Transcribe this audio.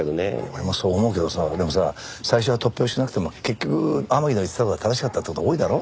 俺もそう思うけどさでもさ最初は突拍子なくても結局天樹の言ってた事が正しかったって事が多いだろ？